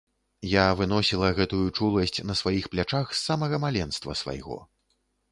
Я выносіла гэтую чуласць на сваіх плячах з самага маленства свайго.